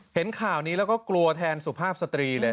เห็นข่าวนี้แล้วก็กลัวแทนสุภาพสตรีเลย